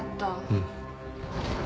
うん。